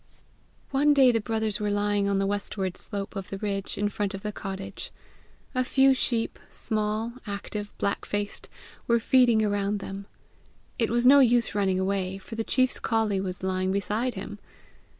One day the brothers were lying on the westward slope of the ridge, in front of the cottage. A few sheep, small, active, black faced, were feeding around them: it was no use running away, for the chief's colley was lying beside him!